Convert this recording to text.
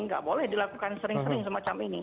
nggak boleh dilakukan sering sering semacam ini